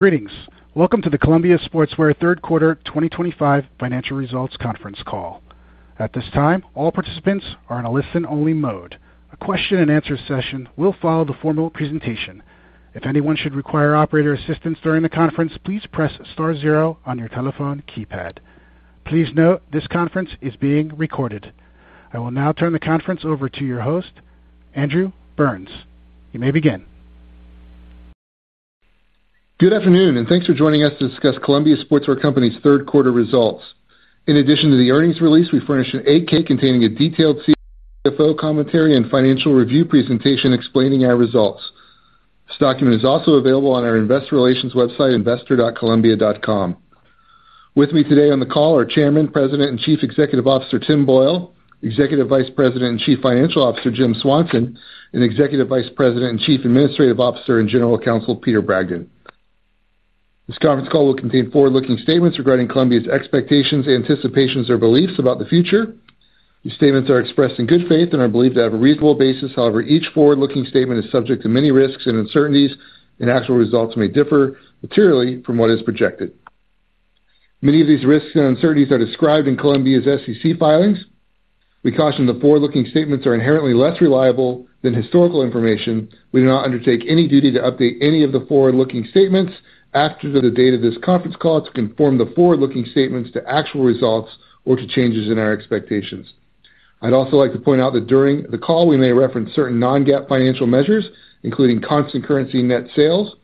Greetings. Welcome to the Columbia Sportswear Third Quarter 2025 Financial Results Conference Call. At this time, all participants are in a listen-only mode. A question-and-answer session will follow the formal presentation. If anyone should require operator assistance during the conference, please press star zero on your telephone keypad. Please note this conference is being recorded. I will now turn the conference over to your host, Andrew Burns. You may begin. Good afternoon, and thanks for joining us to discuss Columbia Sportswear Company's Third Quarter results. In addition to the earnings release, we furnish an 8-K containing a detailed CFO commentary and financial review presentation explaining our results. This document is also available on our Investor Relations website, investor.columbia.com. With me today on the call are Chairman, President, and Chief Executive Officer Tim Boyle, Executive Vice President and Chief Financial Officer Jim Swanson, and Executive Vice President and Chief Administrative Officer and General Counsel Peter Bragdon. This conference call will contain forward-looking statements regarding Columbia's expectations, anticipations, or beliefs about the future. These statements are expressed in good faith and are believed to have a reasonable basis. However, each forward-looking statement is subject to many risks and uncertainties, and actual results may differ materially from what is projected. Many of these risks and uncertainties are described in Columbia's SEC filings. We caution that forward-looking statements are inherently less reliable than historical information. We do not undertake any duty to update any of the forward-looking statements after the date of this conference call to conform the forward-looking statements to actual results or to changes in our expectations. I'd also like to point out that during the call, we may reference certain non-GAAP financial measures, including constant currency net sales.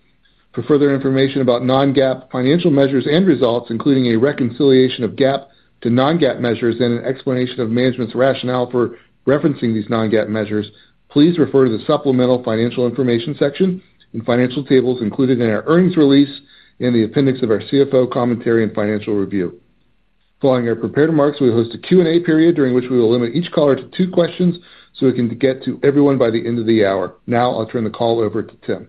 For further information about non-GAAP financial measures and results, including a reconciliation of GAAP to non-GAAP measures and an explanation of management's rationale for referencing these non-GAAP measures, please refer to the supplemental financial information section and financial tables included in our earnings release and the appendix of our CFO commentary and financial review. Following our prepared remarks, we will host a Q&A period during which we will limit each caller to two questions so we can get to everyone by the end of the hour. Now, I'll turn the call over to Tim.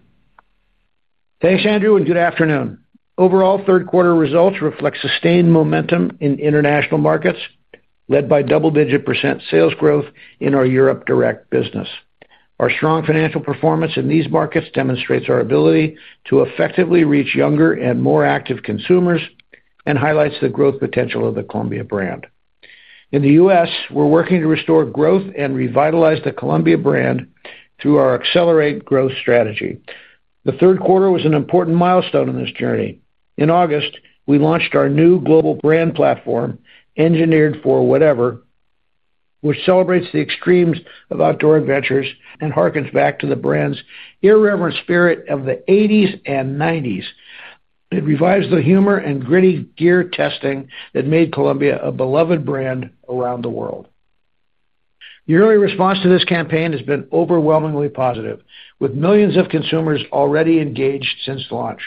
Thanks, Andrew, and good afternoon. Overall, third quarter results reflect sustained momentum in international markets led by double-digit percent sales growth in our Europe direct business. Our strong financial performance in these markets demonstrates our ability to effectively reach younger and more active consumers and highlights the growth potential of the Columbia brand. In the U.S., we're working to restore growth and revitalize the Columbia brand through our ACCELERATE Growth strategy. The third quarter was an important milestone in this journey. In August, we launched our new global brand platform, Engineered for Whatever, which celebrates the extremes of outdoor adventures and harkens back to the brand's irreverent spirit of the 1980s and 1990s. It revives the humor and gritty gear testing that made Columbia a beloved brand around the world. The early response to this campaign has been overwhelmingly positive, with millions of consumers already engaged since launch.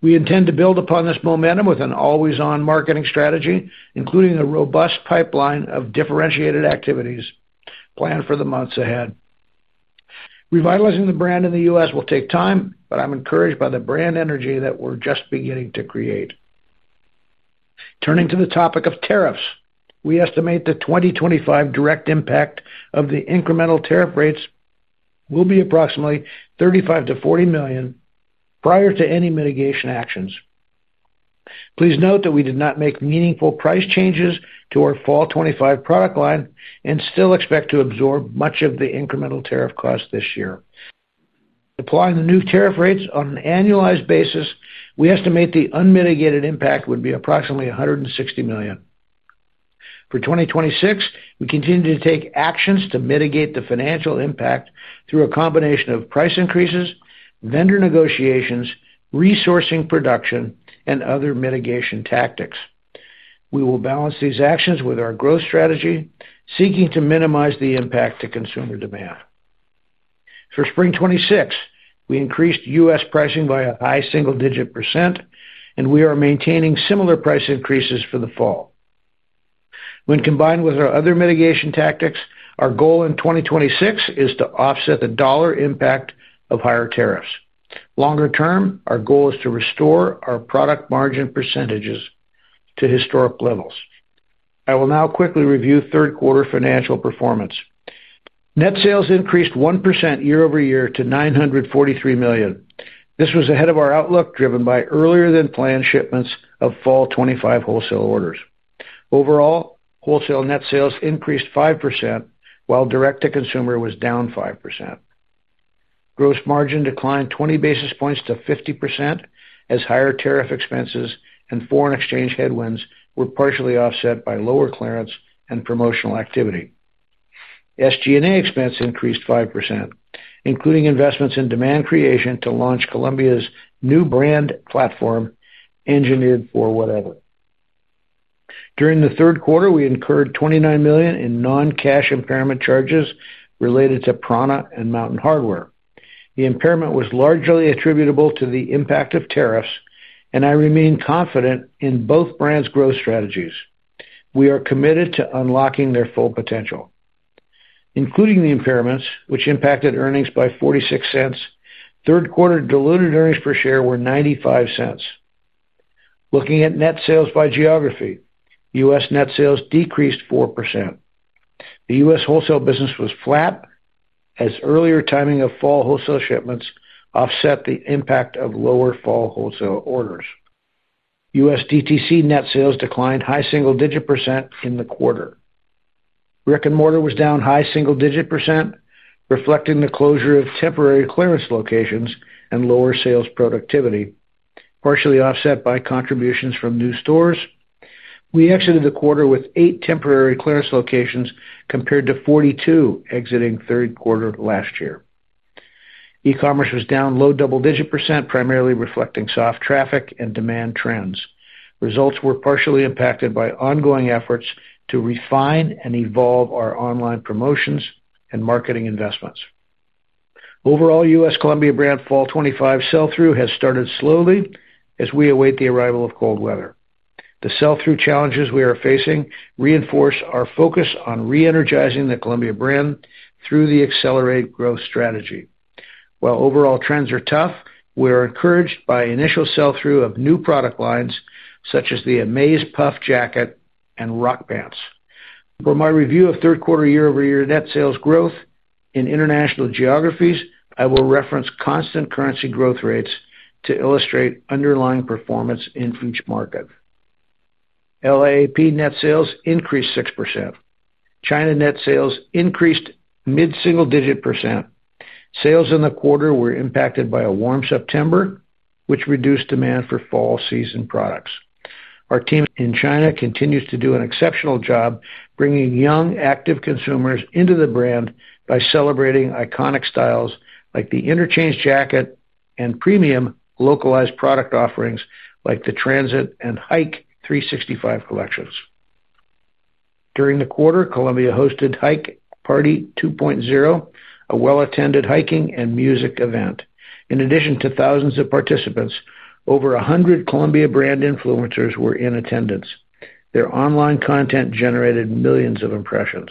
We intend to build upon this momentum with an always-on marketing strategy, including a robust pipeline of differentiated activities planned for the months ahead. Revitalizing the brand in the U.S. will take time, but I'm encouraged by the brand energy that we're just beginning to create. Turning to the topic of tariffs, we estimate the 2025 direct impact of the incremental tariff rates will be approximately $35 million-$40 million prior to any mitigation actions. Please note that we did not make meaningful price changes to our fall 2025 product line and still expect to absorb much of the incremental tariff costs this year. Applying the new tariff rates on an annualized basis, we estimate the unmitigated impact would be approximately $160 million. For 2026, we continue to take actions to mitigate the financial impact through a combination of price increases, vendor negotiations, resourcing production, and other mitigation tactics. We will balance these actions with our growth strategy, seeking to minimize the impact to consumer demand. For spring 2026, we increased U.S. pricing by a high single-digit percent, and we are maintaining similar price increases for the fall. When combined with our other mitigation tactics, our goal in 2026 is to offset the dollar impact of higher tariffs. Longer term, our goal is to restore our product margin percentages to historic levels. I will now quickly review third quarter financial performance. Net sales increased 1% year-over-year to $943 million. This was ahead of our outlook, driven by earlier-than-planned shipments of fall 2025 wholesale orders. Overall, wholesale net sales increased 5%, while direct-to-consumer was down 5%. Gross margin declined 20 basis points to 50% as higher tariff expenses and foreign exchange headwinds were partially offset by lower clearance and promotional activity. SG&A expense increased 5%, including investments in demand creation to launch Columbia's new brand platform, Engineered for Whatever. During the third quarter, we incurred $29 million in non-cash impairment charges related to prAna and Mountain Hardwear. The impairment was largely attributable to the impact of tariffs, and I remain confident in both brands' growth strategies. We are committed to unlocking their full potential. Including the impairments, which impacted earnings by $0.46, third quarter diluted earnings per share were $0.95. Looking at net sales by geography, U.S. net sales decreased 4%. The U.S. wholesale business was flat, as earlier timing of fall wholesale shipments offset the impact of lower fall wholesale orders. U.S. DTC net sales declined high single-digit percent in the quarter. Brick-and-mortar was down high single-digit percent, reflecting the closure of temporary clearance locations and lower sales productivity, partially offset by contributions from new stores. We exited the quarter with eight temporary clearance locations compared to 42 exiting third quarter last year. E-commerce was down low double-digit percent, primarily reflecting soft traffic and demand trends. Results were partially impacted by ongoing efforts to refine and evolve our online promotions and marketing investments. Overall, U.S. Columbia brand fall 2025 sell-through has started slowly as we await the arrival of cold weather. The sell-through challenges we are facing reinforce our focus on re-energizing the Columbia brand through the ACCELERATE Growth strategy. While overall trends are tough, we are encouraged by initial sell-through of new product lines such as the Amaze Puff jacket and ROC pants. For my review of third quarter year-over-year net sales growth in international geographies, I will reference constant currency growth rates to illustrate underlying performance in each market. LAAP net sales increased 6%. China net sales increased mid-single-digit percent. Sales in the quarter were impacted by a warm September, which reduced demand for fall season products. Our team in China continues to do an exceptional job bringing young, active consumers into the brand by celebrating iconic styles like the Interchange Jacket and premium localized product offerings like the Transit and Hike 365 collections. During the quarter, Columbia hosted Hike Party 2.0, a well-attended hiking and music event. In addition to thousands of participants, over 100 Columbia brand influencers were in attendance. Their online content generated millions of impressions.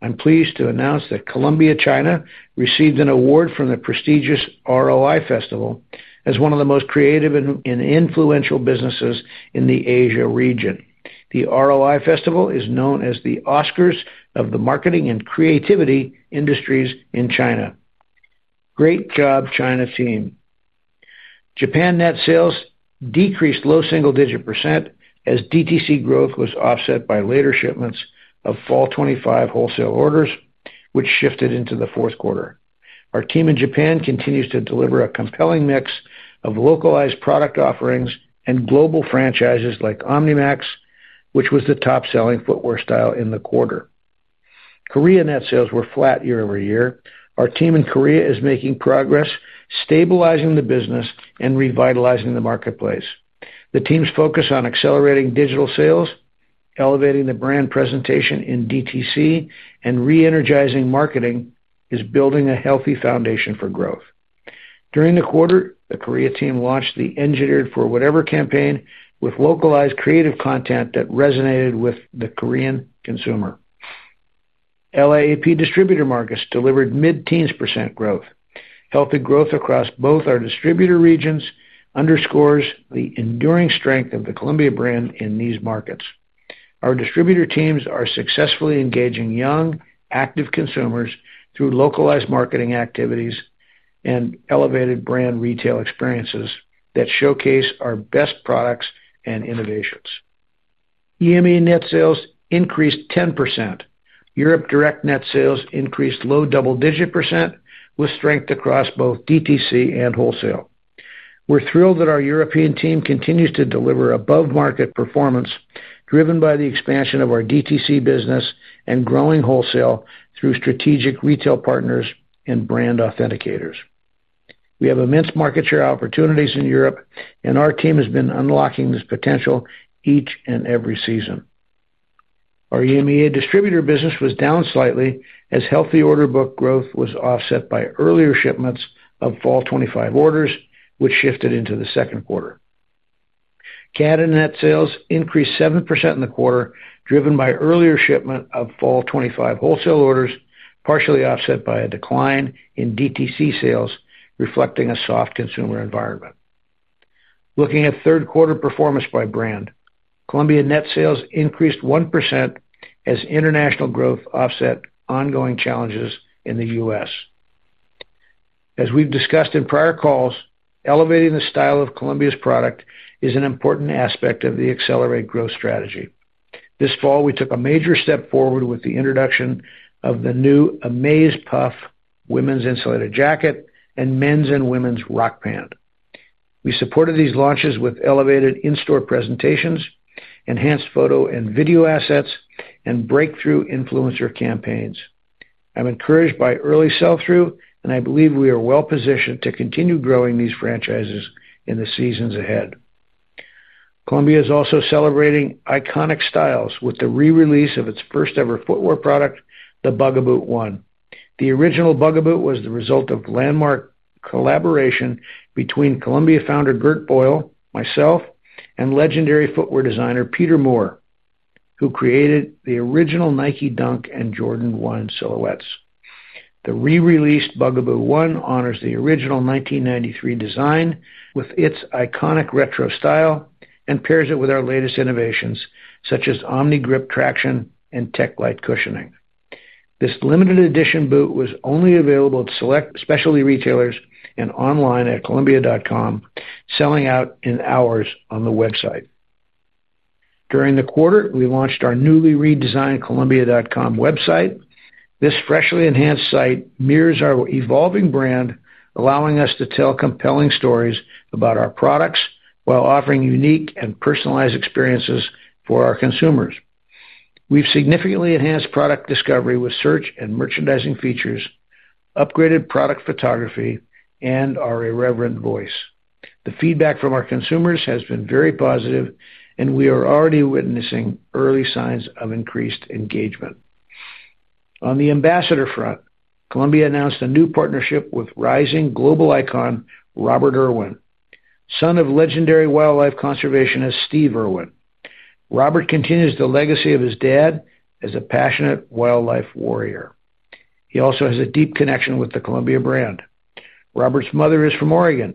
I'm pleased to announce that Columbia China received an award from the prestigious ROI Festival as one of the most creative and influential businesses in the Asia region. The ROI Festival is known as the Oscars of the marketing and creativity industries in China. Great job, China team. Japan net sales decreased low single-digit percent as DTC growth was offset by later shipments of fall 2025 wholesale orders, which shifted into the fourth quarter. Our team in Japan continues to deliver a compelling mix of localized product offerings and global franchises like Omni-MAX, which was the top-selling footwear style in the quarter. Korea net sales were flat year-over-year. Our team in Korea is making progress, stabilizing the business, and revitalizing the marketplace. The team's focus on accelerating digital sales, elevating the brand presentation in DTC, and re-energizing marketing is building a healthy foundation for growth. During the quarter, the Korea team launched the Engineered for Whatever campaign with localized creative content that resonated with the Korean consumer. LAAP distributor markets delivered mid-teens percent growth. Healthy growth across both our distributor regions underscores the enduring strength of the Columbia brand in these markets. Our distributor teams are successfully engaging young, active consumers through localized marketing activities and elevated brand retail experiences that showcase our best products and innovations. EMEA net sales increased 10%. Europe direct net sales increased low double-digit percent with strength across both DTC and wholesale. We're thrilled that our European team continues to deliver above-market performance driven by the expansion of our DTC business and growing wholesale through strategic retail partners and brand authenticators. We have immense market share opportunities in Europe, and our team has been unlocking this potential each and every season. Our EMEA distributor business was down slightly as healthy order book growth was offset by earlier shipments of fall 2025 orders, which shifted into the second quarter. Canada net sales increased 7% in the quarter, driven by earlier shipment of fall 2025 wholesale orders, partially offset by a decline in DTC sales, reflecting a soft consumer environment. Looking at third quarter performance by brand, Columbia net sales increased 1% as international growth offset ongoing challenges in the U.S. As we've discussed in prior calls, elevating the style of Columbia's product is an important aspect of the ACCELERATE Growth Strategy. This fall, we took a major step forward with the introduction of the new Amaze Puff women's insulated jacket and men's and women's ROC pant. We supported these launches with elevated in-store presentations, enhanced photo and video assets, and breakthrough influencer campaigns. I'm encouraged by early sell-through, and I believe we are well-positioned to continue growing these franchises in the seasons ahead. Columbia is also celebrating iconic styles with the re-release of its first-ever footwear product, the Bugaboot 1. The original Bugaboot was the result of landmark collaboration between Columbia founder Gert Boyle, myself, and legendary footwear designer Peter Moore, who created the original Nike Dunk and Jordan One silhouettes. The re-released Bugaboot 1 honors the original 1993 design with its iconic retro style and pairs it with our latest innovations such as Omni-Grip traction and TechLite cushioning. This limited edition boot was only available to select specialty retailers and online at columbia.com, selling out in hours on the website. During the quarter, we launched our newly redesigned columbia.com website. This freshly enhanced site mirrors our evolving brand, allowing us to tell compelling stories about our products while offering unique and personalized experiences for our consumers. We've significantly enhanced product discovery with search and merchandising features, upgraded product photography, and our irreverent voice. The feedback from our consumers has been very positive, and we are already witnessing early signs of increased engagement. On the ambassador front, Columbia announced a new partnership with rising global icon Robert Irwin, son of legendary wildlife conservationist Steve Irwin. Robert continues the legacy of his dad as a passionate wildlife warrior. He also has a deep connection with the Columbia brand. Robert's mother is from Oregon,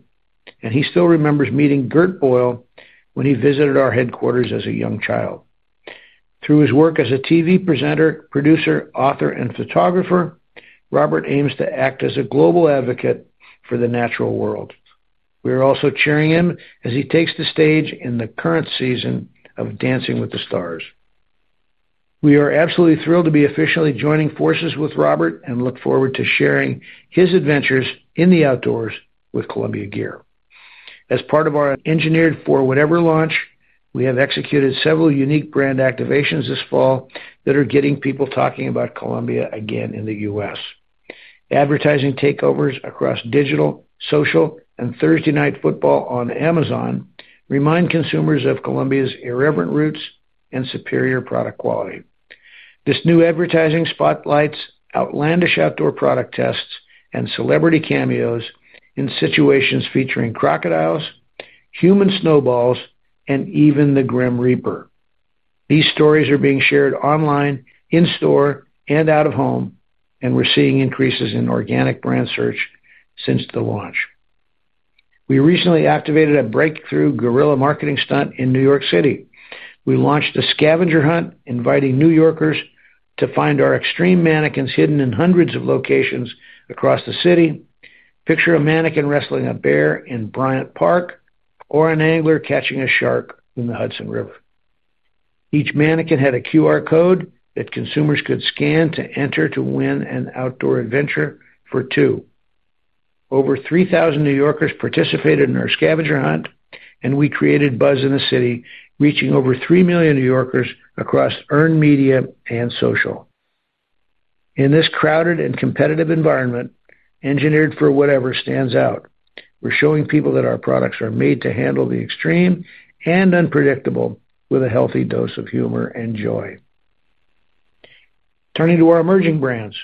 and he still remembers meeting Gert Boyle when he visited our headquarters as a young child. Through his work as a TV presenter, producer, author, and photographer, Robert aims to act as a global advocate for the natural world. We are also cheering him as he takes the stage in the current season of Dancing with the Stars. We are absolutely thrilled to be officially joining forces with Robert and look forward to sharing his adventures in the outdoors with Columbia Gear. As part of our Engineered for Whatever launch, we have executed several unique brand activations this fall that are getting people talking about Columbia again in the U.S. Advertising takeovers across digital, social, and Thursday night football on Amazon remind consumers of Columbia's irreverent roots and superior product quality. This new advertising spotlights outlandish outdoor product tests and celebrity cameos in situations featuring crocodiles, human snowballs, and even the grim reaper. These stories are being shared online, in-store, and out of home, and we're seeing increases in organic brand search since the launch. We recently activated a breakthrough guerrilla marketing stunt in New York City. We launched a scavenger hunt inviting New Yorkers to find our extreme mannequins hidden in hundreds of locations across the city. Picture a mannequin wrestling a bear in Bryant Park or an angler catching a shark in the Hudson River. Each mannequin had a QR code that consumers could scan to enter to win an outdoor adventure for two. Over 3,000 New Yorkers participated in our scavenger hunt, and we created buzz in the city, reaching over 3 million New Yorkers across earned media and social. In this crowded and competitive environment, Engineered for Whatever stands out. We're showing people that our products are made to handle the extreme and unpredictable with a healthy dose of humor and joy. Turning to our emerging brands,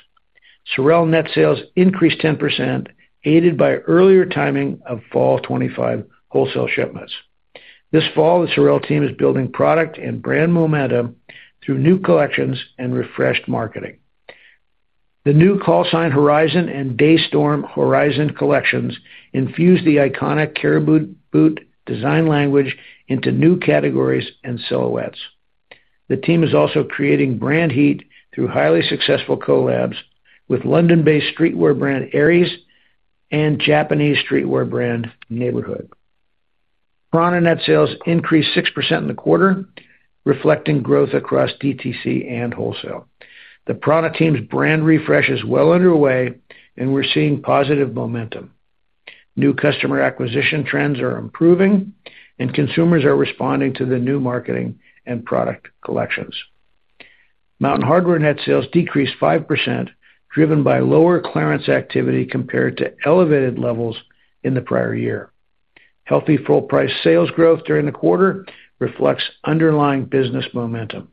SOREL net sales increased 10%, aided by earlier timing of fall 2025 wholesale shipments. This fall, the SOREL team is building product and brand momentum through new collections and refreshed marketing. The new Callsign Horizon and Daystrom Horizon collections infuse the iconic CARIBOU boot design language into new categories and silhouettes. The team is also creating brand heat through highly successful collabs with London-based streetwear brand Aries and Japanese streetwear brand NEIGHBORHOOD. prAna net sales increased 6% in the quarter, reflecting growth across DTC and wholesale. The prAna team's brand refresh is well underway, and we're seeing positive momentum. New customer acquisition trends are improving, and consumers are responding to the new marketing and product collections. Mountain Hardwear net sales decreased 5%, driven by lower clearance activity compared to elevated levels in the prior year. Healthy full-price sales growth during the quarter reflects underlying business momentum.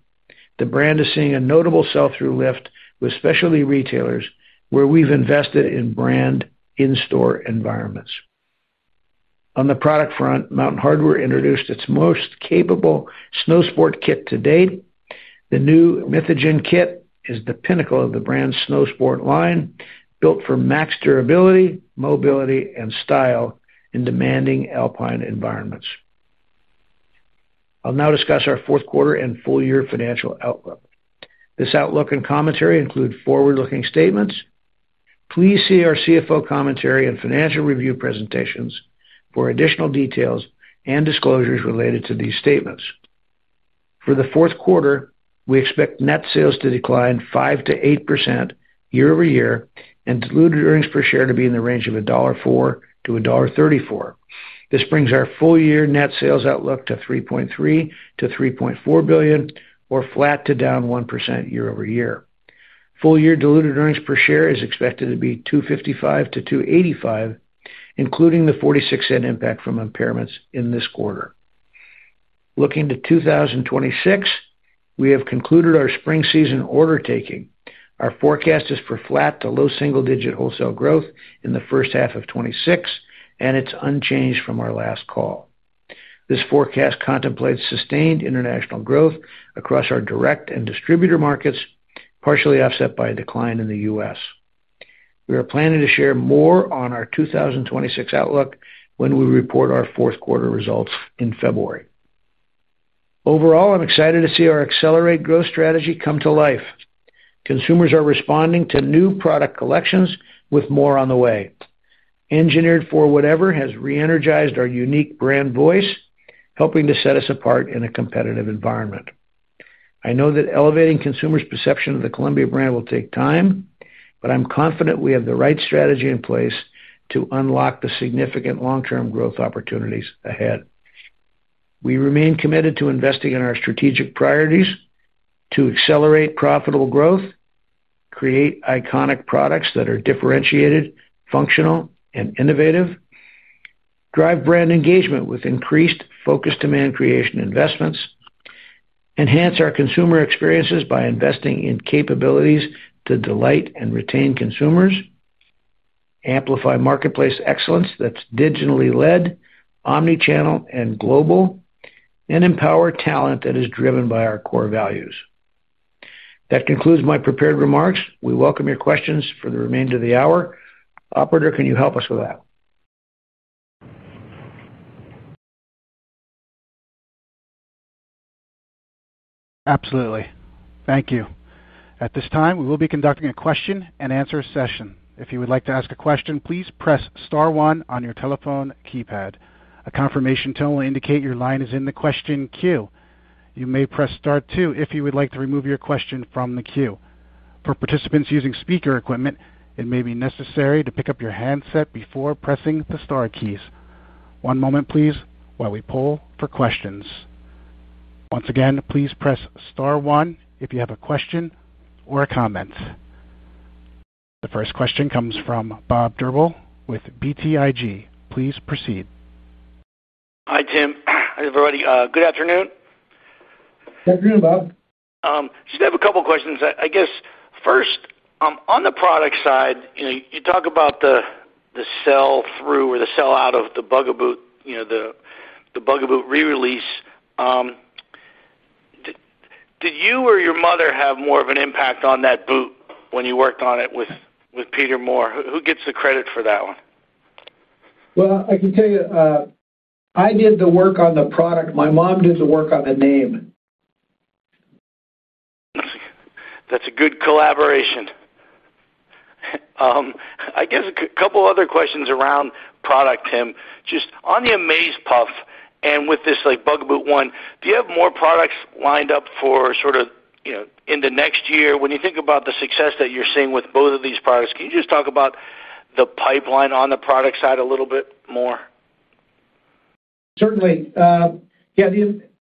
The brand is seeing a notable sell-through lift with specialty retailers, where we've invested in brand in-store environments. On the product front, Mountain Hardwear introduced its most capable snow sport kit to date. The new Mythogen kit is the pinnacle of the brand's snow sport line, built for max durability, mobility, and style in demanding Alpine environments. I'll now discuss our fourth quarter and full-year financial outlook. This outlook and commentary include forward-looking statements. Please see our CFO commentary and financial review presentations for additional details and disclosures related to these statements. For the fourth quarter, we expect net sales to decline 5%-8% year-over-year and diluted earnings per share to be in the range of $1.04-$1.34. This brings our full-year net sales outlook to $3.3 billion-$3.4 billion, or flat to down 1% year-over-year. Full-year diluted earnings per share is expected to be $2.55-$2.85, including the $0.46 impact from impairments in this quarter. Looking to 2026, we have concluded our spring season order taking. Our forecast is for flat to low single-digit wholesale growth in the first half of 2026, and it's unchanged from our last call. This forecast contemplates sustained international growth across our direct and distributor markets, partially offset by a decline in the U.S. We are planning to share more on our 2026 outlook when we report our fourth quarter results in February. Overall, I'm excited to see our ACCELERATE Growth Strategy come to life. Consumers are responding to new product collections with more on the way. Engineered for Whatever has re-energized our unique brand voice, helping to set us apart in a competitive environment. I know that elevating consumers' perception of the Columbia brand will take time, but I'm confident we have the right strategy in place to unlock the significant long-term growth opportunities ahead. We remain committed to investing in our strategic priorities to accelerate profitable growth, create iconic products that are differentiated, functional, and innovative, drive brand engagement with increased focus demand creation investments, enhance our consumer experiences by investing in capabilities to delight and retain consumers, amplify marketplace excellence that's digitally led, omnichannel, and global, and empower talent that is driven by our core values. That concludes my prepared remarks. We welcome your questions for the remainder of the hour. Operator, can you help us with that? Absolutely. Thank you. At this time, we will be conducting a question-and-answer session. If you would like to ask a question, please press star one on your telephone keypad. A confirmation tone will indicate your line is in the question queue. You may press star two if you would like to remove your question from the queue. For participants using speaker equipment, it may be necessary to pick up your handset before pressing the Star keys. One moment, please, while we poll for questions. Once again, please press star one if you have a question or a comment. The first question comes from Bob Drbul with BTIG. Please proceed. Hi, Tim. Good afternoon. Good afternoon, Bob. Just have a couple of questions. I guess, first, on the product side, you talk about the sell-through or the sell-out of the Bugaboot, the Bugaboot re-release. Did you or your mother have more of an impact on that boot when you worked on it with Peter Moore? Who gets the credit for that one? I can tell you. I did the work on the product. My mom did the work on the name. That's a good collaboration. I guess a couple of other questions around product, Tim. Just on the Amaze Puff and with this Bugaboot 1, do you have more products lined up for sort of in the next year? When you think about the success that you're seeing with both of these products, can you just talk about the pipeline on the product side a little bit more? Certainly.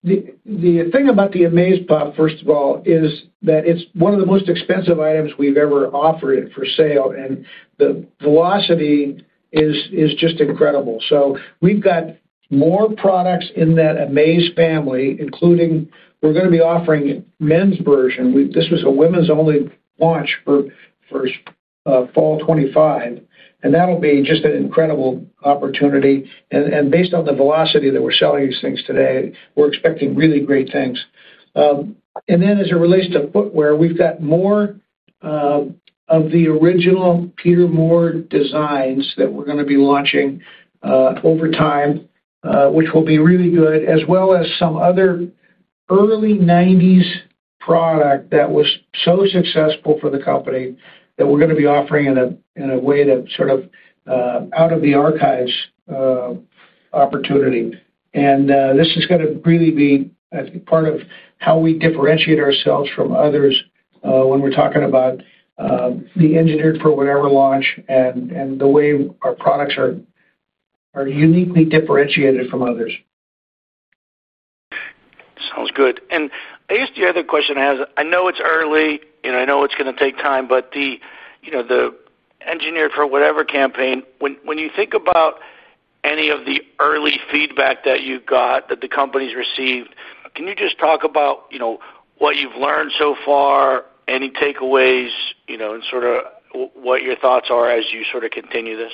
The thing about the Amaze Puff, first of all, is that it's one of the most expensive items we've ever offered for sale, and the velocity is just incredible. We've got more products in that Amaze family, including we're going to be offering men's version. This was a women's-only launch for fall 2025, and that'll be just an incredible opportunity. Based on the velocity that we're selling these things today, we're expecting really great things. As it relates to footwear, we've got more of the original Peter Moore designs that we're going to be launching over time, which will be really good, as well as some other early 1990s product that was so successful for the company that we're going to be offering in a way that's sort of out of the archives opportunity. This is going to really be, I think, part of how we differentiate ourselves from others when we're talking about the Engineered for Whatever launch and the way our products are uniquely differentiated from others. Sounds good. I guess the other question I have, I know it's early and I know it's going to take time, but the Engineered for Whatever campaign, when you think about any of the early feedback that you got that the company's received, can you just talk about what you've learned so far, any takeaways, and sort of what your thoughts are as you sort of continue this?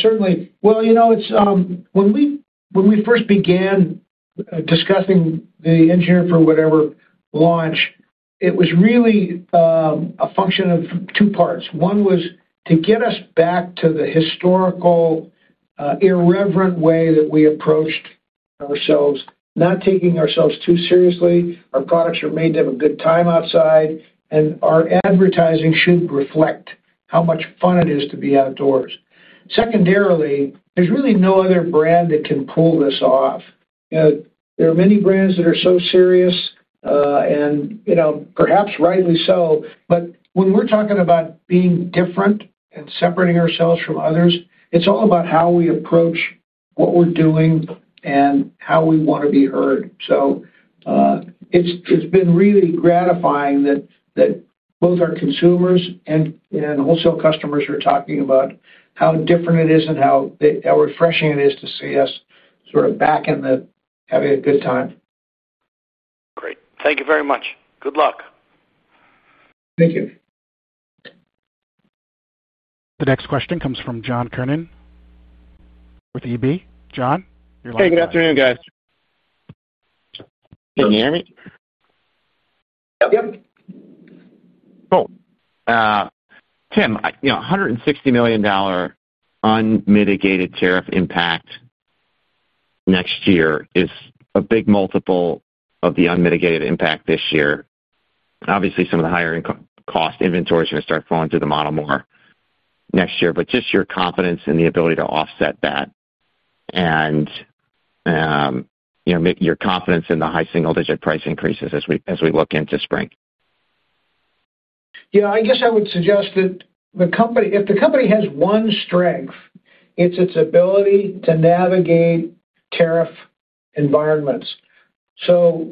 Certainly. When we first began discussing the Engineered for Whatever launch, it was really a function of two parts. One was to get us back to the historical irreverent way that we approached ourselves, not taking ourselves too seriously. Our products are made to have a good time outside, and our advertising should reflect how much fun it is to be outdoors. Secondarily, there's really no other brand that can pull this off. There are many brands that are so serious, and perhaps rightly so. When we're talking about being different and separating ourselves from others, it's all about how we approach what we're doing and how we want to be heard. It's been really gratifying that both our consumers and wholesale customers are talking about how different it is and how refreshing it is to see us sort of back in the having a good time. Great. Thank you very much. Good luck. Thank you. The next question comes from John Kernan with TD. John, you're live. Hey, good afternoon, guys. Can you hear me? Yep. Cool. Tim, $160 million unmitigated tariff impact next year is a big multiple of the unmitigated impact this year. Obviously, some of the higher-income cost inventory is going to start falling through the model more next year, but just your confidence and the ability to offset that, and your confidence in the high single-digit price increases as we look into spring. I guess I would suggest that the company, if the company has one strength, it's its ability to navigate tariff environments.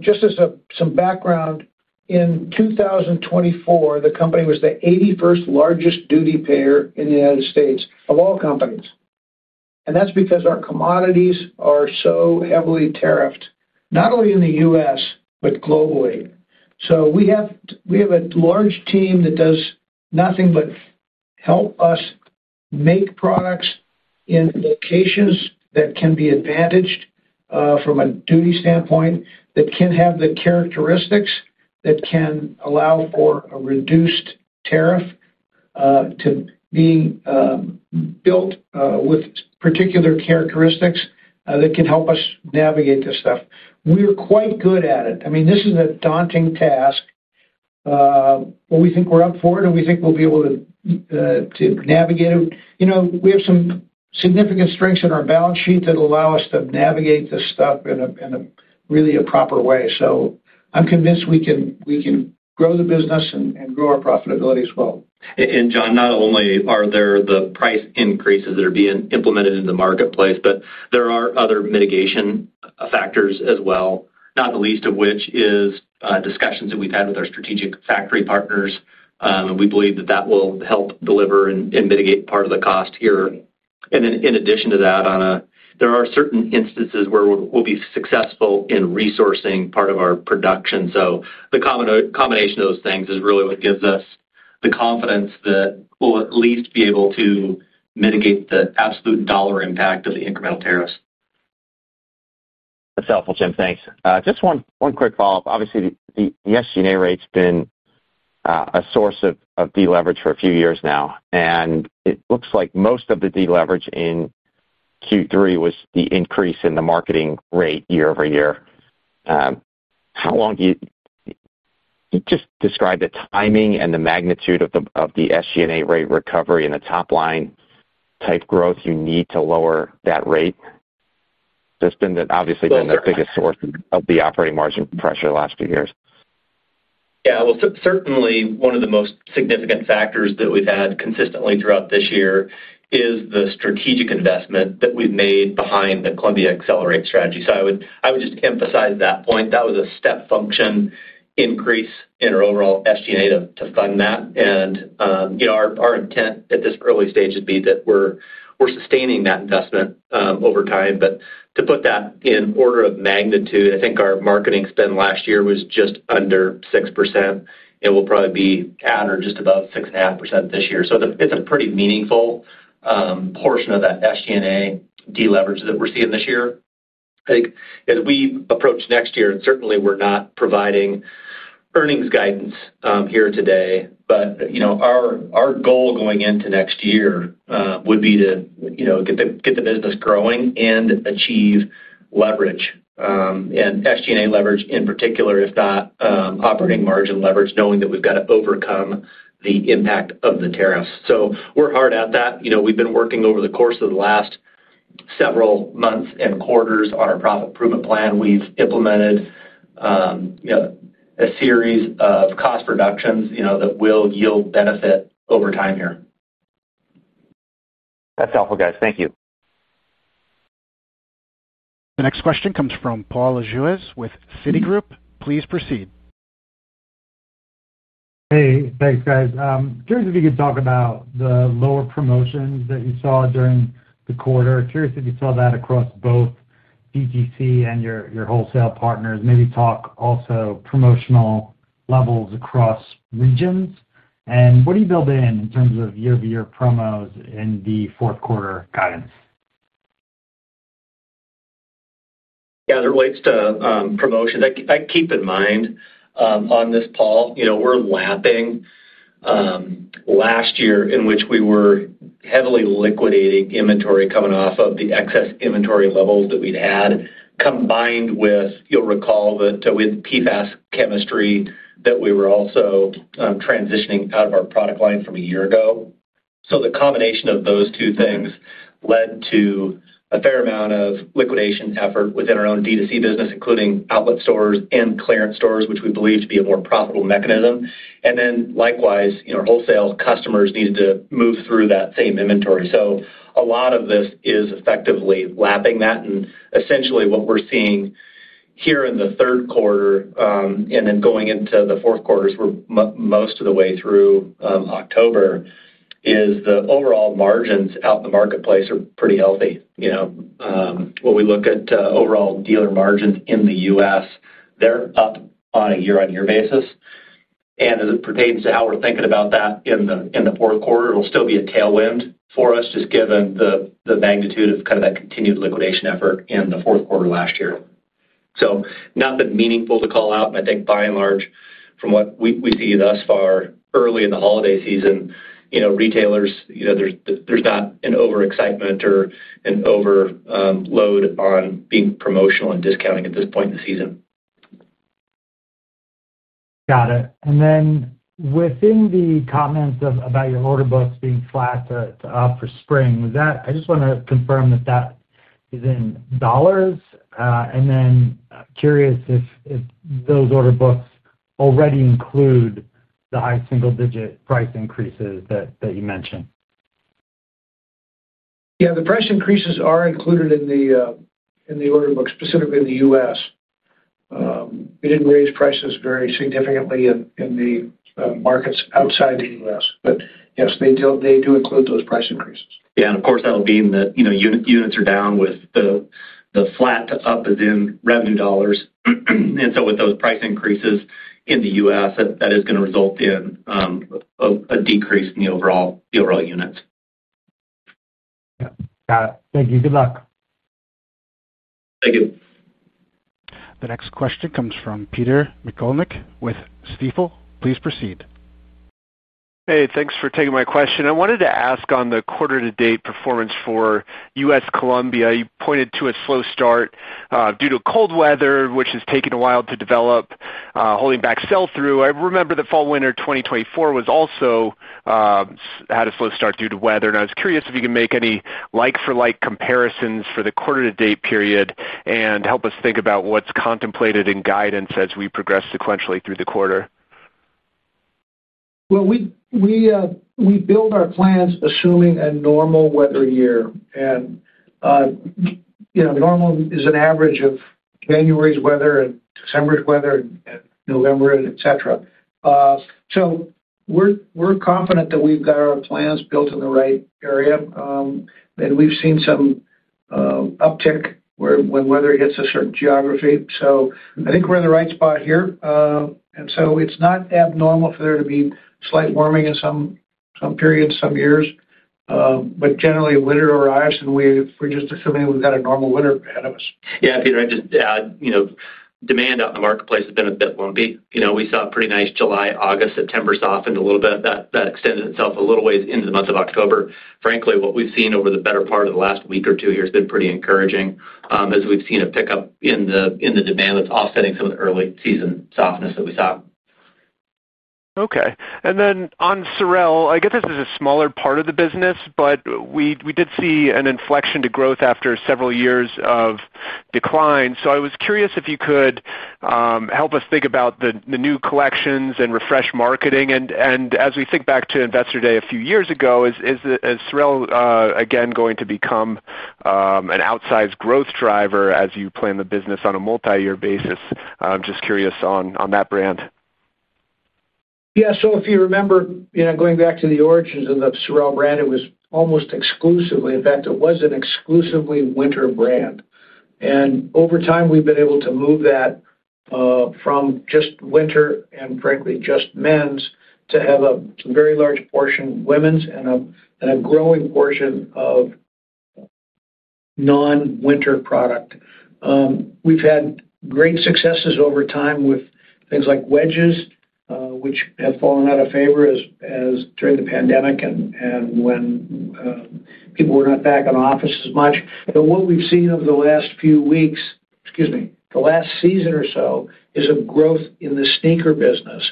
Just as some background. In 2024, the company was the 81st largest duty payer in the U.S. of all companies. That's because our commodities are so heavily tariffed, not only in the U.S., but globally. We have a large team that does nothing but help us make products in locations that can be advantaged from a duty standpoint, that can have the characteristics that can allow for a reduced tariff, being built with particular characteristics that can help us navigate this stuff. We're quite good at it. This is a daunting task. We think we're up for it, and we think we'll be able to navigate it. We have some significant strengths in our balance sheet that allow us to navigate this stuff in really a proper way. I'm convinced we can grow the business and grow our profitability as well. John, not only are there the price increases that are being implemented in the marketplace, but there are other mitigation factors as well, not the least of which is discussions that we've had with our strategic factory partners. We believe that will help deliver and mitigate part of the cost here. In addition to that, there are certain instances where we'll be successful in resourcing part of our production. The combination of those things is really what gives us the confidence that we'll at least be able to mitigate the absolute dollar impact of the incremental tariffs. That's helpful, Jim. Thanks. Just one quick follow-up. Obviously, the SG&A rate's been a source of deleverage for a few years now, and it looks like most of the deleverage in Q3 was the increase in the marketing rate year-over-year. How long do you—just describe the timing and the magnitude of the SG&A rate recovery and the top-line type growth you need to lower that rate? That's been, obviously, the biggest source of the operating margin pressure the last few years. Certainly, one of the most significant factors that we've had consistently throughout this year is the strategic investment that we've made behind the Columbia ACCELERATE strategy. I would just emphasize that point. That was a step function increase in our overall SG&A to fund that. Our intent at this early stage would be that we're sustaining that investment over time. To put that in order of magnitude, I think our marketing spend last year was just under 6%, and we'll probably be at or just above 6.5% this year. It's a pretty meaningful. Portion of that SG&A deleverage that we're seeing this year. I think as we approach next year, certainly, we're not providing earnings guidance here today. Our goal going into next year would be to get the business growing and achieve leverage, and SG&A leverage in particular, if not operating margin leverage, knowing that we've got to overcome the impact of the tariffs. We're hard at that. We've been working over the course of the last several months and quarters on our profit improvement plan. We've implemented a series of cost reductions that will yield benefit over time here. That's helpful, guys. Thank you. The next question comes from Paul Lejuez with Citigroup. Please proceed. Hey, thanks, guys. Curious if you could talk about the lower promotions that you saw during the quarter. Curious if you saw that across both DTC and your wholesale partners. Maybe talk also promotional levels across regions, and what do you build in in terms of year-over-year promos in the fourth quarter guidance? Yeah, it relates to promotions. Keep in mind on this, Paul, we're lapping last year in which we were heavily liquidating inventory coming off of the excess inventory levels that we'd had combined with, you'll recall, with PFAS chemistry that we were also transitioning out of our product line from a year ago. The combination of those two things led to a fair amount of liquidation effort within our own DTC business, including outlet stores and clearance stores, which we believe to be a more profitable mechanism. Likewise, our wholesale customers needed to move through that same inventory. A lot of this is effectively lapping that. Essentially, what we're seeing here in the third quarter and then going into the fourth quarter, most of the way through October, is the overall margins out in the marketplace are pretty healthy. When we look at overall dealer margins in the U.S., they're up on a year-on-year basis. As it pertains to how we're thinking about that in the fourth quarter, it'll still be a tailwind for us just given the magnitude of that continued liquidation effort in the fourth quarter last year. Not that meaningful to call out. I think, by and large, from what we see thus far early in the holiday season, retailers, there's not an overexcitement or an overload on being promotional and discounting at this point in the season. Got it. And then within the comments about your order books being flat to up for spring, I just want to confirm that that is in dollars. I'm curious if those order books already include the high single-digit price increases that you mentioned. Yeah, the price increases are included in the order books, specifically in the U.S. We didn't raise prices very significantly in the markets outside the U.S., but yes, they do include those price increases. Of course, that'll mean that units are down with the flat to up as in revenue dollars. With those price increases in the U.S., that is going to result in a decrease in the overall units. Yeah. Got it. Thank you. Good luck. Thank you. The next question comes from Peter McGoldrick with Stifel. Please proceed. Hey, thanks for taking my question. I wanted to ask on the quarter-to-date performance for U.S. Columbia. You pointed to a slow start due to cold weather, which has taken a while to develop, holding back sell-through. I remember that fall/winter 2024 also had a slow start due to weather. I was curious if you can make any like-for-like comparisons for the quarter-to-date period and help us think about what's contemplated in guidance as we progress sequentially through the quarter. We build our plans assuming a normal weather year. Normal is an average of January's weather and December's weather and November, etc. We're confident that we've got our plans built in the right area. We've seen some uptick when weather hits a certain geography. I think we're in the right spot here. It's not abnormal for there to be slight warming in some periods, some years. Generally, winter arrives, and we're just assuming we've got a normal winter ahead of us. Yeah, Peter, I'd just add demand out in the marketplace has been a bit lumpy. We saw a pretty nice July, August, September softened a little bit. That extended itself a little ways into the month of October. Frankly, what we've seen over the better part of the last week or two here has been pretty encouraging as we've seen a pickup in the demand that's offsetting some of the early season softness that we saw. Okay. And then on SOREL, I guess this is a smaller part of the business, but we did see an inflection to growth after several years of decline. I was curious if you could help us think about the new collections and refresh marketing. As we think back to Investor Day a few years ago, is SOREL again going to become an outsized growth driver as you plan the business on a multi-year basis? I'm just curious on that brand. Yeah. If you remember going back to the origins of the SOREL brand, it was almost exclusively, in fact, it was an exclusively winter brand. Over time, we've been able to move that from just winter and, frankly, just men's to have a very large portion women's and a growing portion of non-winter product. We've had great successes over time with things like wedges, which have fallen out of favor during the pandemic and when people were not back in the office as much. What we've seen over the last few weeks, excuse me, the last season or so is a growth in the sneaker business,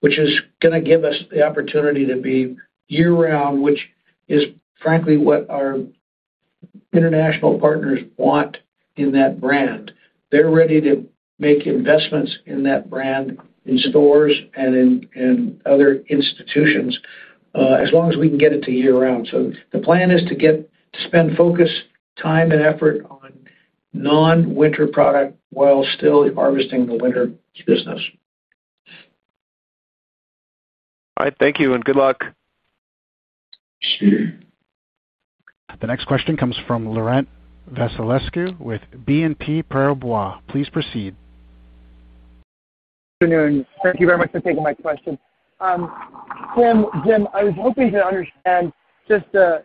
which is going to give us the opportunity to be year-round, which is, frankly, what our international partners want in that brand. They're ready to make investments in that brand in stores and in other institutions as long as we can get it to year-round. The plan is to spend focus, time, and effort on non-winter product while still harvesting the winter business. All right. Thank you and good luck. The next question comes from Laurent Vasilescu with BNP Paribas.Please proceed. Good afternoon. Thank you very much for taking my question. Jim, I was hoping to understand just a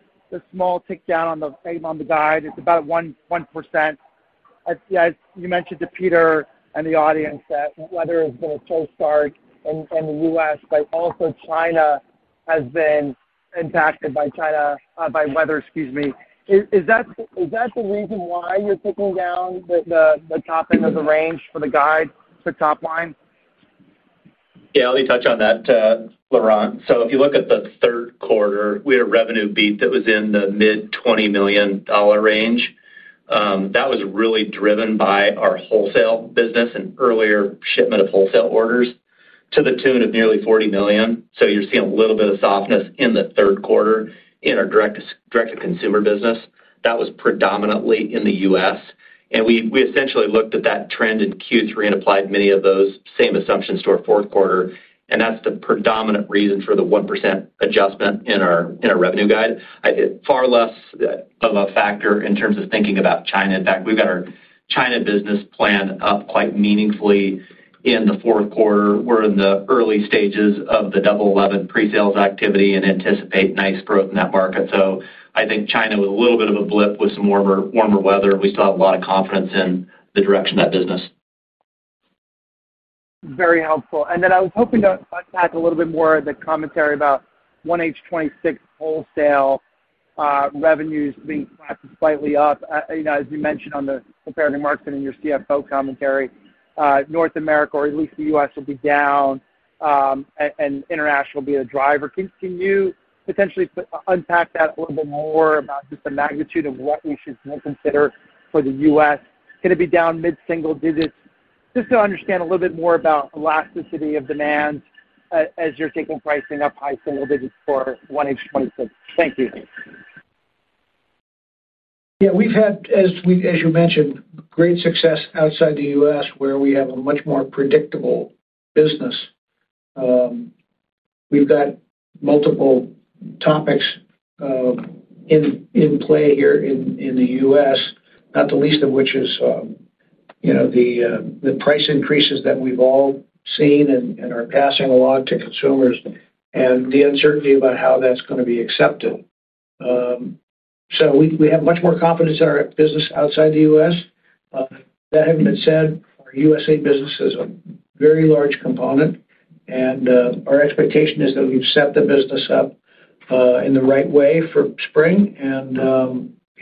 small tick down on the guide. It's about 1%. As you mentioned to Peter and the audience, weather has been a slow start in the U.S., but also China has been impacted by weather. Excuse me. Is that the reason why you're ticking down the top end of the range for the guide, the top line? Yeah. Let me touch on that, Laurent. If you look at the third quarter, we had a revenue beat that was in the mid-$20 million range. That was really driven by our wholesale business and earlier shipment of wholesale orders to the tune of nearly $40 million. You're seeing a little bit of softness in the third quarter in our direct-to-consumer business. That was predominantly in the U.S. We essentially looked at that trend in Q3 and applied many of those same assumptions to our fourth quarter. That's the predominant reason for the 1% adjustment in our revenue guide. Far less of a factor in terms of thinking about China. In fact, we've got our China business planned up quite meaningfully in the fourth quarter. We're in the early stages of the Double 11 pre-sales activity and anticipate nice growth in that market. I think China was a little bit of a blip with some warmer weather. We still have a lot of confidence in the direction of that business. Very helpful. I was hoping to unpack a little bit more of the commentary about 1H 2026 wholesale. Revenues being slightly up. As you mentioned on the paradigm marks and in your CFO commentary, North America, or at least the U.S., will be down, and international will be the driver. Can you potentially unpack that a little bit more about just the magnitude of what we should consider for the U.S.? Can it be down mid-single digits? Just to understand a little bit more about elasticity of demand as you're taking pricing up high single digits for 1H 2026. Thank you. Yeah. We've had, as you mentioned, great success outside the U.S. where we have a much more predictable business. We've got multiple topics in play here in the U.S., not the least of which is the price increases that we've all seen and are passing along to consumers and the uncertainty about how that's going to be accepted. We have much more confidence in our business outside the U.S. That having been said, our U.S.A. business is a very large component, and our expectation is that we've set the business up in the right way for spring.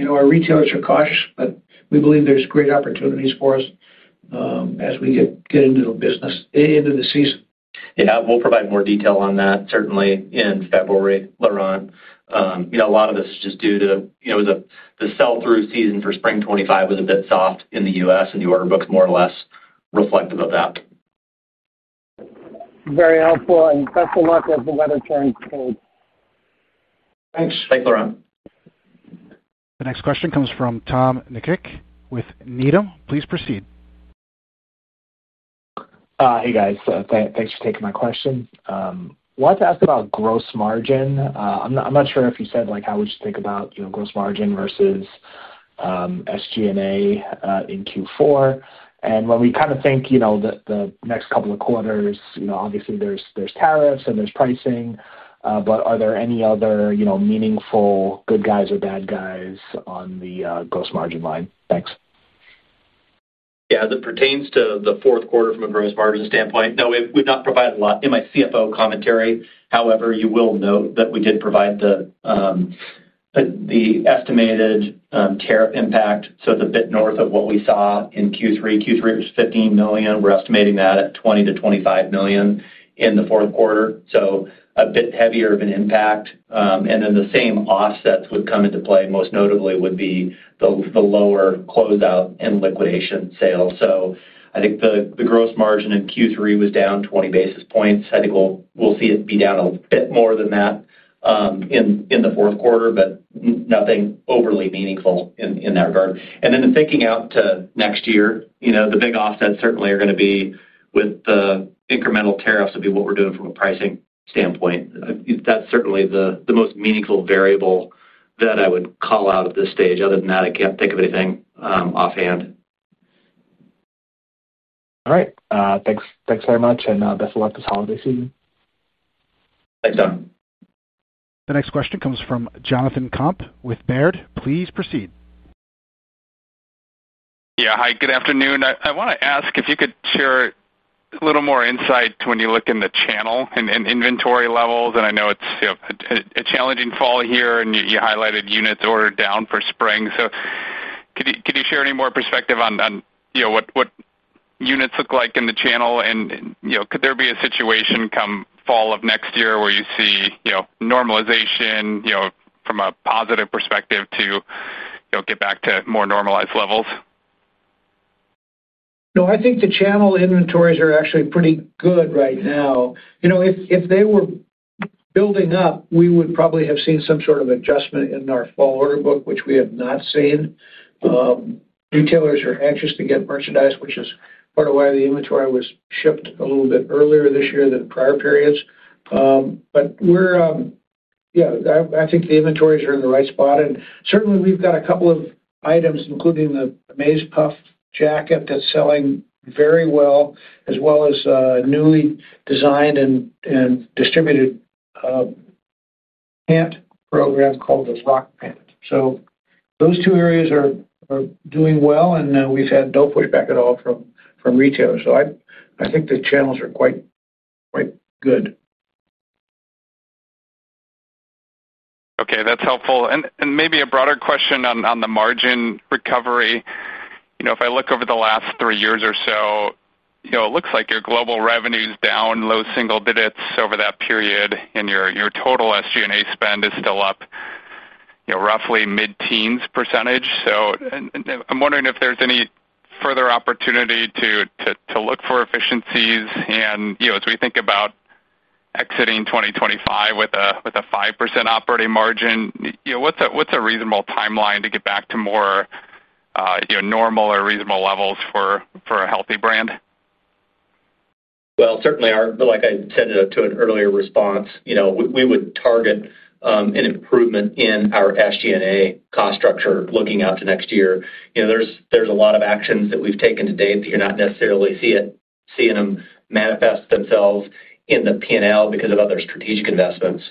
Our retailers are cautious, but we believe there's great opportunities for us as we get into the business, into the season. Yeah. We'll provide more detail on that, certainly, in February, Laurent. A lot of this is just due to the sell-through season for spring 2025 was a bit soft in the U.S., and the order books more or less reflective of that. Very helpful. Best of luck as the weather turns cold. Thanks. Thanks, Laurent. The next question comes from Tom Nikic with Needham. Please proceed. Hey, guys. Thanks for taking my question. Wanted to ask about gross margin. I'm not sure if you said how we should think about gross margin versus SG&A in Q4. When we kind of think the next couple of quarters, obviously, there's tariffs and there's pricing. Are there any other meaningful good guys or bad guys on the gross margin? Thanks. Yeah. As it pertains to the fourth quarter from a gross margin standpoint, no, we've not provided a lot in my CFO commentary. However, you will note that we did provide the estimated tariff impact. It's a bit north of what we saw in Q3. Q3 was $15 million. We're estimating that at $20 million-$25 million in the fourth quarter, so a bit heavier of an impact. The same offsets would come into play. Most notably would be the lower closeout and liquidation sales. I think the gross margin in Q3 was down 20 basis points. I think we'll see it be down a bit more than that in the fourth quarter, but nothing overly meaningful in that regard. Thinking out to next year, the big offsets certainly are going to be with the incremental tariffs, would be what we're doing from a pricing standpoint. That's certainly the most meaningful variable that I would call out at this stage. Other than that, I can't think of anything offhand. All right. Thanks very much, and best of luck this holiday season. Thanks, Tom. The next question comes from Jonathan Komp with Baird. Please proceed. Yeah. Hi. Good afternoon. I want to ask if you could share a little more insight when you look in the channel and inventory levels. I know it's a challenging fall here, and you highlighted units ordered down for spring. Could you share any more perspective on what units look like in the channel? Could there be a situation come fall of next year where you see normalization from a positive perspective to get back to more normalized levels? No, I think the channel inventories are actually pretty good right now. If they were building up, we would probably have seen some sort of adjustment in our fall order book, which we have not seen. Retailers are anxious to get merchandised, which is part of why the inventory was shipped a little bit earlier this year than prior periods. I think the inventories are in the right spot. Certainly, we've got a couple of items, including the Amaze Puff jacket that's selling very well, as well as a newly designed and distributed pant program called the ROC pant. Those two areas are doing well, and we've had no pushback at all from retailers. I think the channels are quite good. Okay. That's helpful. Maybe a broader question on the margin recovery. If I look over the last 3 years or so, it looks like your global revenue is down low single digits over that period, and your total SG&A spend is still up roughly mid-teens percentage. I'm wondering if there's any further opportunity to look for efficiencies. As we think about exiting 2025 with a 5% operating margin, what's a reasonable timeline to get back to more. Normal or reasonable levels for a healthy brand? Certainly, like I said to an earlier response, we would target an improvement in our SG&A cost structure looking out to next year. There are a lot of actions that we've taken to date that you're not necessarily seeing manifest themselves in the P&L because of other strategic investments.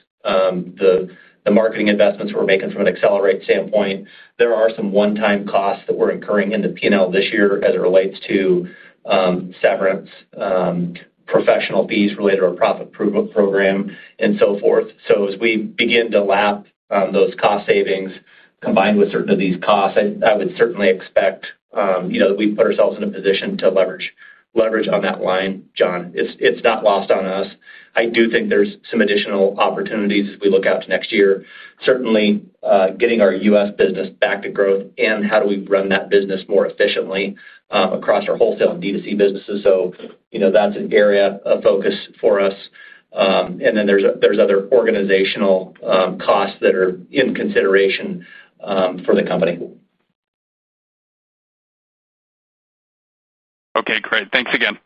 The marketing investments we're making from an ACCELERATE standpoint, there are some one-time costs that we're incurring in the P&L this year as it relates to severance, professional fees related to our profit program, and so forth. As we begin to lap those cost savings combined with certain of these costs, I would certainly expect that we put ourselves in a position to leverage on that line, Jon. It's not lost on us. I do think there's some additional opportunities as we look out to next year, certainly getting our U.S. business back to growth and how we run that business more efficiently across our wholesale and DTC businesses. That's an area of focus for us. There are other organizational costs that are in consideration for the company. Okay. Great. Thanks again.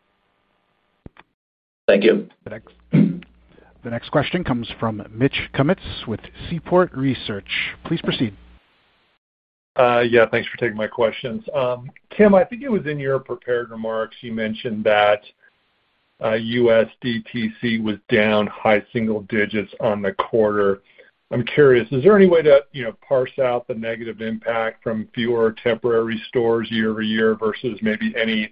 Thank you. The next question comes from Mitch Kummetz with Seaport Research. Please proceed. Yeah. Thanks for taking my questions. Tim, I think it was in your prepared remarks you mentioned that U.S. DTC was down high single digits on the quarter. I'm curious, is there any way to parse out the negative impact from fewer temporary stores year-over-year versus maybe any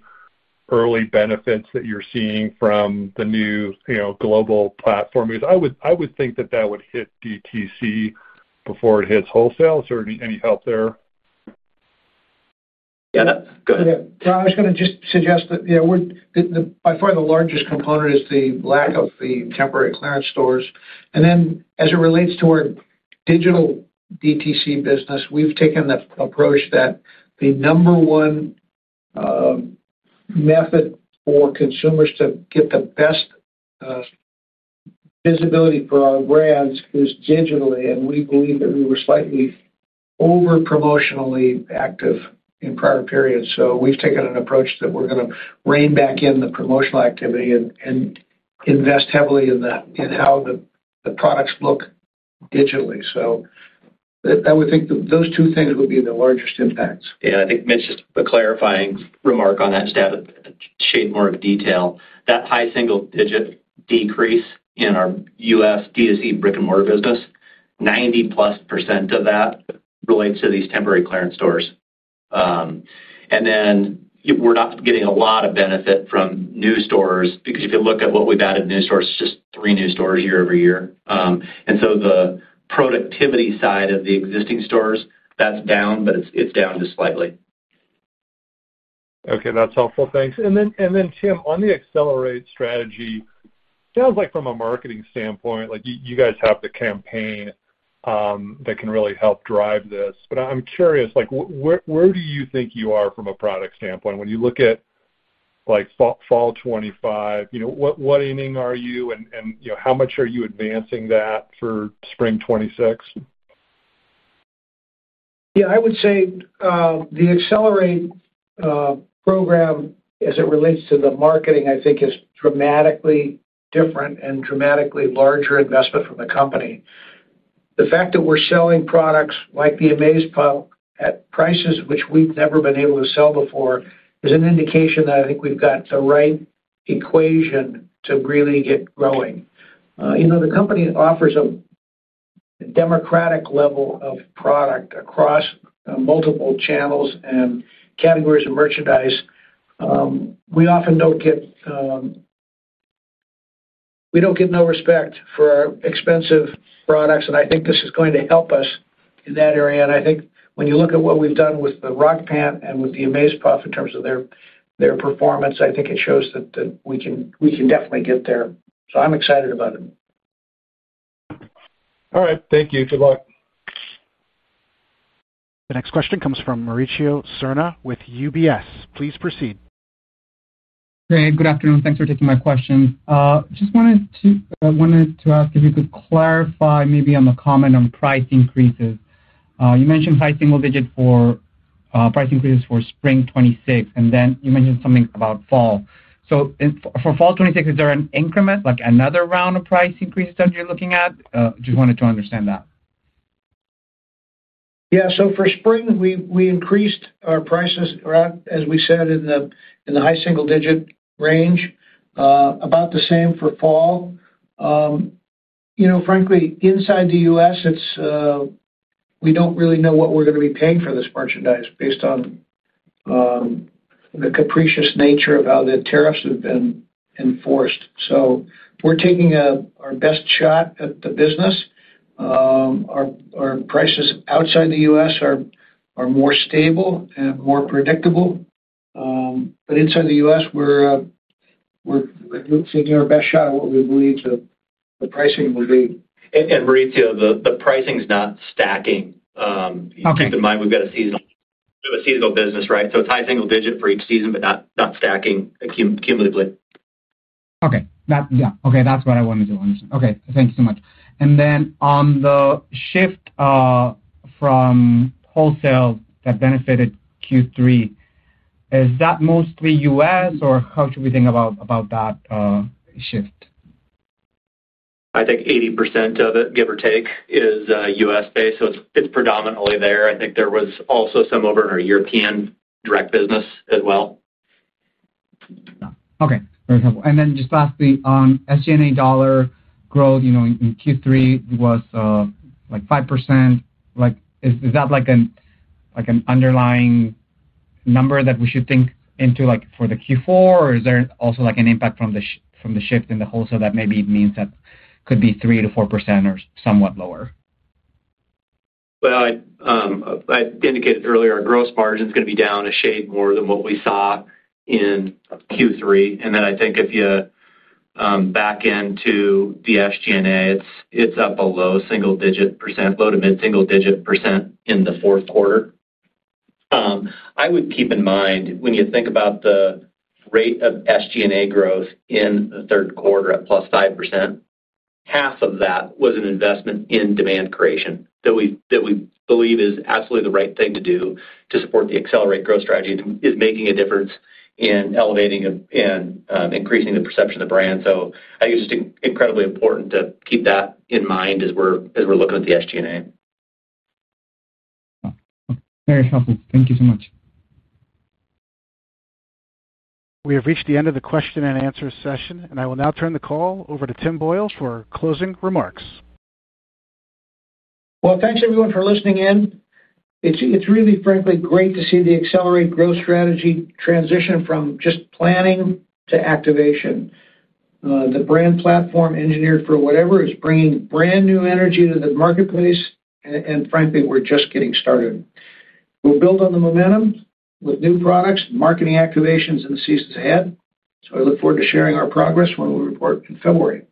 early benefits that you're seeing from the new global platform? Because I would think that that would hit DTC before it hits wholesale. Is there any help there? Yeah. Go ahead. Yeah. I was going to just suggest that by far, the largest component is the lack of the temporary clearance stores. As it relates to our digital DTC business, we've taken the approach that the number one method for consumers to get the best visibility for our brands is digitally. We believe that we were slightly over promotionally active in prior periods, so we've taken an approach that we're going to rein back in the promotional activity and invest heavily in how the products look digitally. I would think those two things would be the largest impacts. Yeah. I think, Mitch, just to put a clarifying remark on that to shade more of detail, that high single digit decrease in our U.S. D2C brick-and-mortar business, 90+% of that relates to these temporary clearance stores. We're not getting a lot of benefit from new stores because if you look at what we've added, it's just three new stores year-over-year. The productivity side of the existing stores is down, but it's down just slightly. Okay, that's helpful. Thanks. Tim, on the ACCELERATE strategy, it sounds like from a marketing standpoint, you guys have the campaign that can really help drive this. I'm curious, where do you think you are from a product standpoint? When you look at fall 2025, what inning are you, and how much are you advancing that for spring 2026? I would say the ACCELERATE program as it relates to the marketing is dramatically different and a dramatically larger investment from the company. The fact that we're selling products like the Amaze Puff at prices which we've never been able to sell before is an indication that I think we've got the right equation to really get growing. The company offers a democratic level of product across multiple channels and categories of merchandise. We often don't get respect for our expensive products, and I think this is going to help us in that area. When you look at what we've done with the ROC pant and with the Amaze Puff in terms of their performance, I think it shows that we can definitely get there. I'm excited about it. All right. Thank you. Good luck. The next question comes from Mauricio Serna with UBS. Please proceed. Hey, good afternoon. Thanks for taking my question. I wanted to ask if you could clarify maybe on the comment on price increases. You mentioned high single digit for price increases for spring 2026, and then you mentioned something about fall. For fall 2026, is there an increment, like another round of price increases that you're looking at? I just wanted to understand that. Yeah. For spring, we increased our prices, as we said, in the high single digit range, about the same for fall. Frankly, inside the U.S., we don't really know what we're going to be paying for this merchandise based on the capricious nature of how the tariffs have been enforced. We're taking our best shot at the business. Our prices outside the U.S. are more stable and more predictable, but inside the U.S., we're taking our best shot at what we believe the pricing will be. Mauricio, the pricing's not stacking. Keep in mind, we've got a seasonal business, right? It's high single digit for each season, but not stacking cumulatively. Okay. That's what I wanted to understand. Thank you so much. And then on the shift from wholesale that benefited Q3, is that mostly U.S., or how should we think about that shift? I think 80% of it, give or take, is U.S.-based, so it's predominantly there. I think there was also some over in our European direct business as well. Okay, very helpful. And then just lastly, on SG&A dollar growth in Q3 was 5%. Is that an underlying number that we should think into for Q4, or is there also an impact from the shift in the wholesale that maybe means that could be 3%-4% or somewhat lower? I indicated earlier our gross margin is going to be down a shade more than what we saw in Q3. If you back into the SG&A, it's up a low single digit percent, low to mid single digit percent in the fourth quarter. I would keep in mind when you think about the rate of SG&A growth in the third quarter at +5%, half of that was an investment in demand creation that we believe is absolutely the right thing to do to support the ACCELERATE Growth Strategy, is making a difference in elevating and increasing the perception of the brand. I think it's just incredibly important to keep that in mind as we're looking at the SG&A. Very helpful. Thank you so much. We have reached the end of the question-and-answer session, and I will now turn the call over to Tim Boyle for closing remarks. Thanks, everyone, for listening in. It's really, frankly, great to see the ACCELERATE Growth Strategy transition from just planning to activation. The brand platform Engineered for Whatever is bringing brand new energy to the marketplace, and frankly, we're just getting started. We'll build on the momentum with new products, marketing activations, and the seasons ahead. I look forward to sharing our progress when we report in February.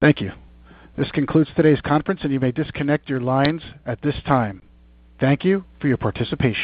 Thank you. This concludes today's conference, and you may disconnect your lines at this time. Thank you for your participation.